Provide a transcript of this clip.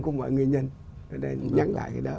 của mọi nguyên nhân